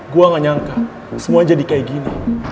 gua gak nyangka semuanya jadi kayak gini